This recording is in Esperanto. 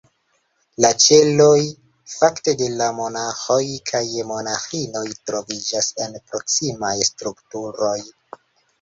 La ĉeloj, fakte, de la monaĥoj kaj monaĥinoj troviĝas en proksimaj strukturoj.